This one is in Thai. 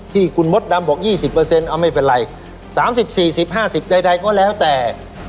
ที่คุณมดดำบอก๒๐เอาไม่เป็นไร๓๐๔๐๕๐ใดก็แล้วแต่